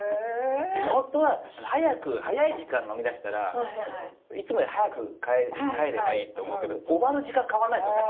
本当は早い時間に呑みだしたらいつもより早く帰ればいいって思うけど終わる時間変わんないですよね？